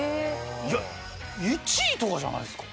いや１位とかじゃないですか？